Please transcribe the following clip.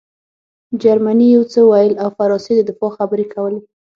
جرمني یو څه ویل او فرانسې د دفاع خبرې کولې